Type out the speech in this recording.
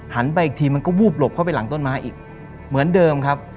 ไปอีกทีมันก็วูบหลบเข้าไปหลังต้นไม้อีกเหมือนเดิมครับ